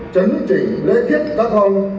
chấn trình lễ kiếp các hòng